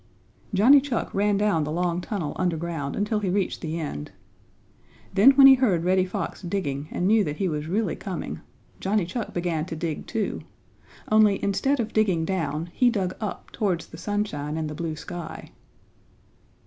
Johnny Chuck ran down the long tunnel underground until he reached the end. Then when he heard Reddy Fox digging and knew that he was really coming, Johnny Chuck began to dig, too, only instead of digging down he dug up towards the sunshine and the blue sky.